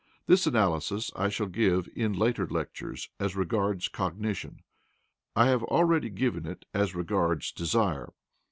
This analysis I shall give in later lectures as regards cognition; I have already given it as regards desire.